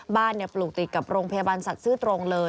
ปลูกติดกับโรงพยาบาลสัตว์ซื้อตรงเลย